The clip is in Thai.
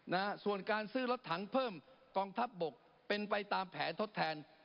นะฮะส่วนการซื้อรถถังเพิ่มกองทัพบกเป็นไปตามแผนทดแทน